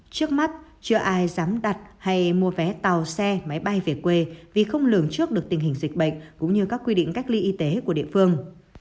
trước mắt chưa ai dám đặt hay mua vé tàu xe máy bay về quê vì không lường trước được tình hình dịch bệnh cũng như các quy định cách ly y tế của địa phương